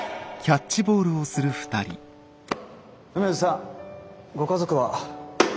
梅津さんご家族は？